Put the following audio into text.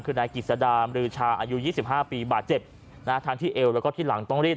คือในกิจสดามหรือชาอายุยี่สิบห้าปีบาดเจ็บทางที่เอวแล้วก็ที่หลังต้องรีด